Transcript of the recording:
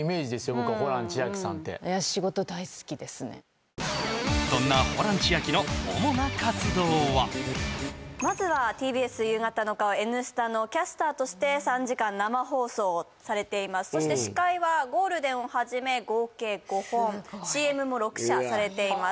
僕はホラン千秋さんってそんなホラン千秋の主な活動はまずはＴＢＳ夕方の顔「Ｎスタ」のキャスターとして３時間生放送をされていますそして司会はゴールデンをはじめ合計５本ＣＭも６社されています